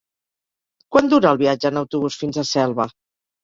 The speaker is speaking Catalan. Quant dura el viatge en autobús fins a Selva?